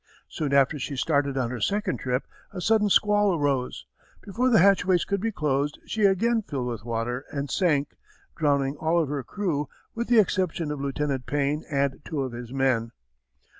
Soon after she started on her second trip a sudden squall arose. Before the hatchways could be closed, she again filled with water and sank, drowning all of her crew with the exception of Lieutenant Payne and two of his men.